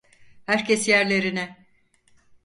Herkes yerlerine!